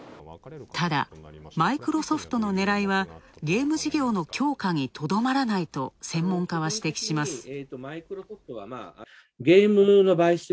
ただ、マイクロソフトの狙いはゲーム事業の強化にとどまらないと専門家は指摘します。